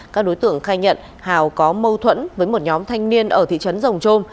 các đối tượng khai nhận hào có mâu thuẫn với một nhóm thanh niên ở thị trấn rồng trôm